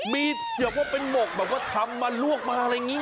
มีแบบว่าเป็นหมกแบบว่าทำมาลวกมาอะไรอย่างนี้